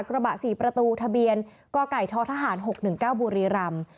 กระบะ๔ประตูทะเบียนกไก่ททหาร๖๑๙บุรีรำ